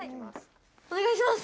お願いします。